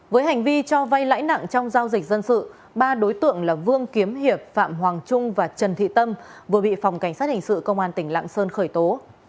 với hành vi cho vay lãi nặng trong giao dịch dân sự ba đối tượng là vương kiếm hiệp phạm hoàng trung và trần thị tâm vừa bị phòng cảnh sát hình sự công an tỉnh lạng sơn khởi tố